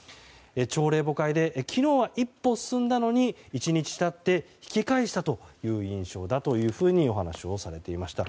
朝令暮改で昨日は一歩進んだのに１日経って引き返したという印象だとお話しされていました。